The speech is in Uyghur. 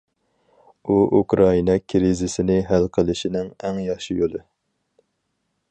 ئۇ ئۇكرائىنا كىرىزىسىنى ھەل قىلىشنىڭ ئەڭ ياخشى يولى.